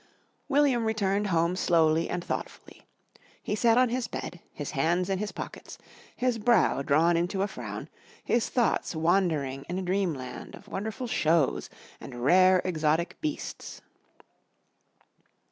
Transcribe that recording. William returned home slowly and thoughtfully. He sat on his bed, his hands in his pockets, his brow drawn into a frown, his thoughts wandering in a dreamland of wonderful "shows" and rare exotic beasts.